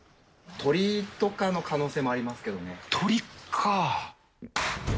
鳥とかの可能性もありますけ鳥か。